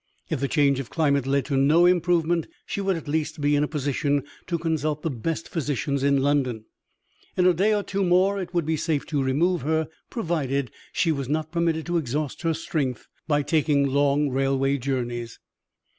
If the change of climate led to no improvement, she would at least be in a position to consult the best physicians in London. In a day or two more it would be safe to remove her provided she was not permitted to exhaust her strength by taking long railway journeys.